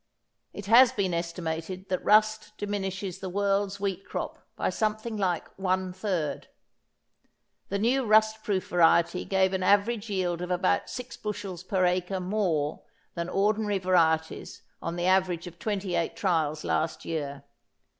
It has been estimated that rust diminishes the world's wheat crop by something like one third. The new rust proof variety gave an average yield of about 6 bushels per acre more than ordinary varieties on the average of 28 trials last year.